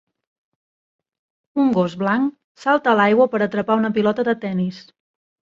Un gos blanc salta a l'aigua per atrapar una pilota de tenis.